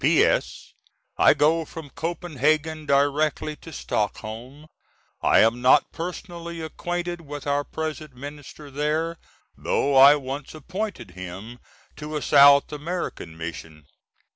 P.S. I go from Copenhagen directly to Stockholm. I am not personally acquainted with our present Minister there, though I once appointed him to a South American Mission.